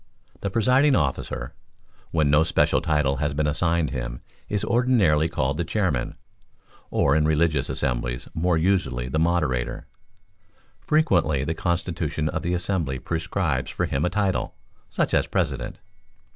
The presiding officer, when no special title has been assigned him, is ordinarily called the Chairman (or in religious assemblies more usually the Moderator); frequently the constitution of the assembly prescribes for him a title, such as President.